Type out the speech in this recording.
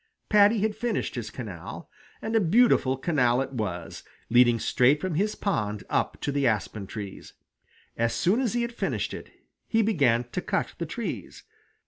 Paddy had finished his canal, and a beautiful canal it was, leading straight from his pond up to the aspen trees. As soon as he had finished it, he began to cut the trees.